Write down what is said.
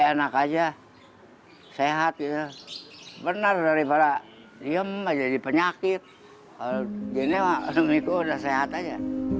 enak aja sehat ya benar daripada diem menjadi penyakit hal jenis maksudnya udah sehat aja